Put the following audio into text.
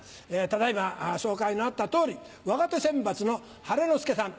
ただ今紹介のあった通り若手選抜の晴の輔さん。